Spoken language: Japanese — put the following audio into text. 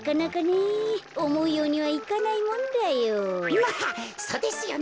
まっそうですよね。